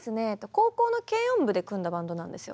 高校の軽音部で組んだバンドなんですよ。